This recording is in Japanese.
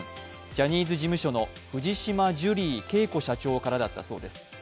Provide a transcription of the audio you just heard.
ジャニーズ事務所の藤島ジュリー景子社長からだったそうです。